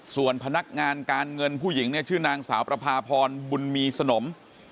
ส่วนพนักงานการเงินผู้หญิงเนี่ยชื่อนางสาวประพาพรบุญมีสนม